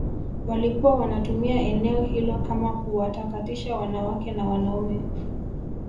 walikuwa wanatumia eneo hilo kama kuwatakatisha wanawake na wanaume